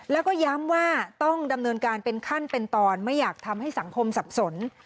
แล้วก็ย้ำว่าต้องดำเนินการเป็นขั้นเป็นตอนไม่อยากทำให้สังคมสับสน